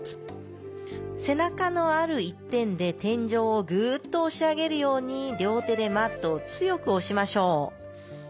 背中のある一点で天井をグッと押し上げるように両手でマットを強く押しましょう。